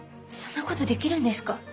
そんなことできるんですか？